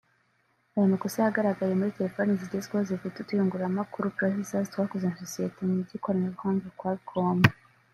Aya makosa yagaragaye muri telefone zigezweho zifite utuyungururamakuru (proccesors) twakozwe na sosiyete mu by’ikoranabuhanga Qualcomm